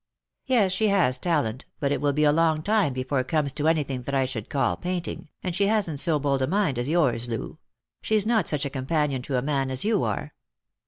" Yes, she has talent, but it will be a long time before it comes to anything that I should call painting, and she hasn't so bold a mind as yours, Loo : she's not such a companion to a man as you are.